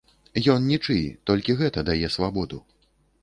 Ён нічый, толькі гэта дае свабоду.